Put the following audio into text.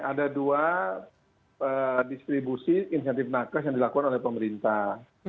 ada dua distribusi insentif nakes yang dilakukan oleh pemerintah